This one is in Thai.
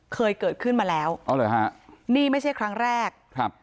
เคยเกิดขึ้นมาแล้วอ๋อเหรอฮะนี่ไม่ใช่ครั้งแรกครับ